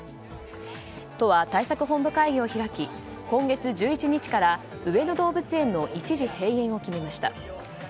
都は対策本部会議を開き今月１１日から、上野動物園の一時閉園を決めました。